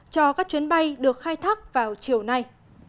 cho các chuyến bay được khai thác vào chiều nay